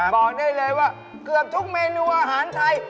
บอกได้เลยว่าเกือบทุกเมนูอาหารไทย